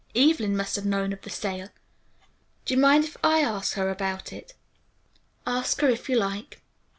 Evelyn must have known of the sale. Do you mind, if I ask her about it?" "Ask her if you like."